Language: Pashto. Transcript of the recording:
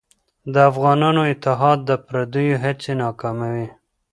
د افغانانو اتحاد د پرديو هڅې ناکاموي.